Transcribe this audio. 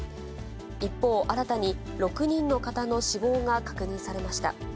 一方、新たに６人の方の死亡が確認されました。